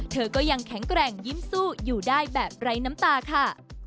เธอก็ยังแข็งแกร่งยิ้มสู้อยู่ได้แบบไร้น้ำตาค่ะ